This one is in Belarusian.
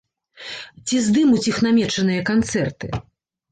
Ці здымуць іх намечаныя канцэрты.